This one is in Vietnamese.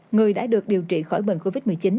người đã được điều trị khỏi bệnh covid một mươi chín